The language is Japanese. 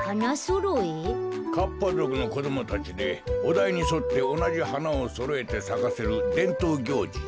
かっぱぞくのこどもたちでおだいにそっておなじはなをそろえてさかせるでんとうぎょうじじゃ。